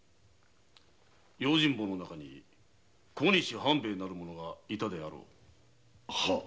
用心棒の中に「小西半兵衛」がいたであろう。